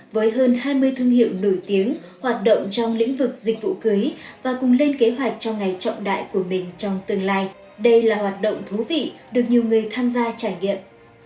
với hơn hai mươi thương hiệu nổi tiếng hoạt động trong lĩnh vực dịch vụ cưới và cùng lên kế hoạch cho ngày trọng đại của mình trong tương lai đây là hoạt động thú vị được nhiều người tham gia trải nghiệm